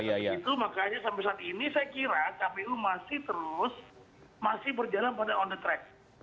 nah dari itu makanya sampai saat ini saya kira kpu masih terus berjalan pada on the track